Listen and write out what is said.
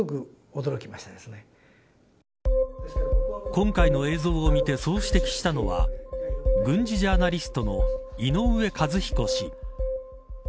今回の映像を見てそう指摘したのは軍事ジャーナリストの井上和彦氏。